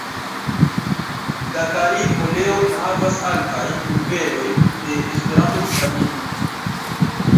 Gakaril-oleo enhavas altajn nivelojn de E-vitamino.